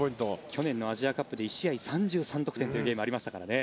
去年のアジアカップで１試合３３得点というゲームがありました。